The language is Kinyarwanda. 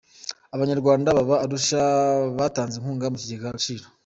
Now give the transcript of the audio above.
Abanyarwanda baba Arusha batanze inkunga mu kigega Agaciro